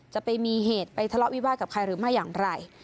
จะไปมีเหตุไปทะเลาะวิวาสกับใครหรือไม่อย่างไร